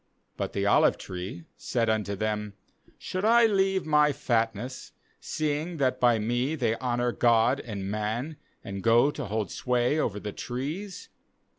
9But the olive tree said unto them: Should I leave my fatness, seeing that by me they honour God and man; and go to hold sway over the trees?